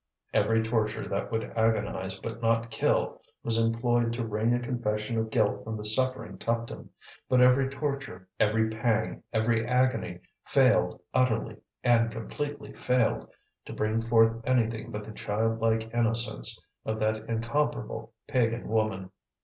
Every torture that would agonize, but not kill, was employed to wring a confession of guilt from the suffering Tuptim; but every torture, every pang, every agony, failed, utterly and completely failed, to bring forth anything but the childlike innocence of that incomparable pagan woman.